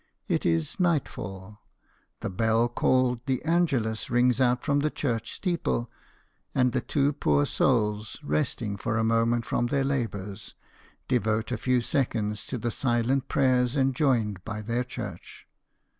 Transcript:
It is nightfall; the bell called the "Angelus" rings out from the church steeple, and the two poor souls, resting for a moment from their labours, devote a few seconds to the silent prayers enjoined by their church.